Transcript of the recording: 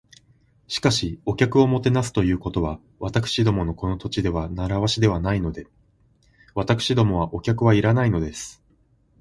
「しかし、お客をもてなすということは、私どものこの土地では慣わしではないので。私どもはお客はいらないのです」